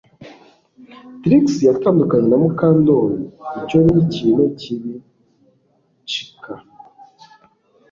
Trix yatandukanye na Mukandoli Icyo ni ikintu kibi CK